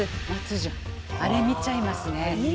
あれ見ちゃいますね。